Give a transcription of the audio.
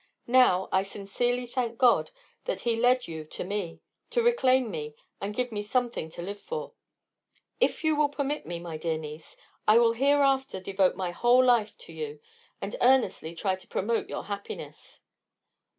Now I sincerely thank God that He led you to me, to reclaim me and give me something to live for. If you will permit me, my dear niece, I will hereafter devote my whole life to you, and earnestly try to promote your happiness."